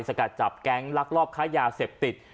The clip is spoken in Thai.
สกัดจับแก๊งลักลอบค้ายาเสพติด